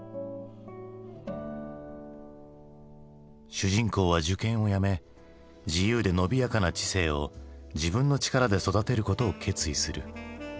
主人公は受験をやめ自由で伸びやかな知性を自分の力で育てることを決意する。